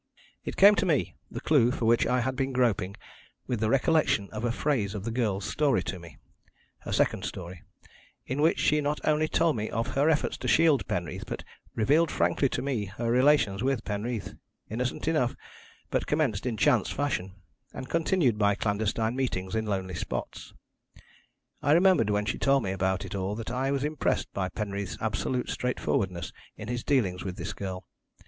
"It came to me, the clue for which I had been groping, with the recollection of a phrase in the girl's story to me her second story in which she not only told me of her efforts to shield Penreath, but revealed frankly to me her relations with Penreath, innocent enough, but commenced in chance fashion, and continued by clandestine meetings in lonely spots. I remembered when she told me about it all that I was impressed by Penreath's absolute straightforwardness in his dealings with this girl.